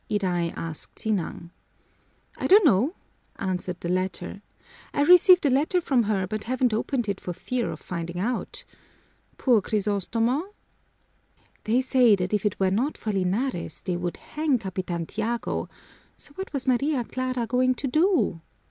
Iday asked Sinang. "I don't know," answered the latter. "I received a letter from her but haven't opened it for fear of finding out. Poor Crisostomo!" "They say that if it were not for Linares, they would hang Capitan Tiago, so what was Maria Clara going to do?"